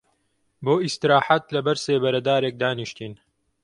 بۆ ئیستراحەت لە بەر سێبەرە دارێک دانیشتین